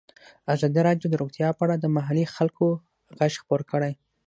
ازادي راډیو د روغتیا په اړه د محلي خلکو غږ خپور کړی.